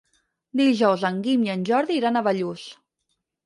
Dijous en Guim i en Jordi iran a Bellús.